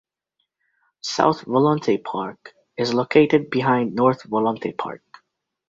South Volonte Park is located behind North Volonte Park.